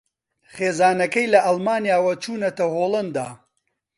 خێزانەکەی لە ئەڵمانیاوە چوونەتە ھۆڵەندا